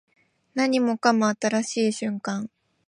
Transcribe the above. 何もかも新しい瞬間